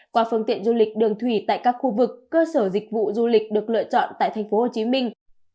qua phương tiện du lịch đường thủy tại các khu vực cơ sở dịch vụ du lịch được lựa chọn tại thành phố hồ chí minh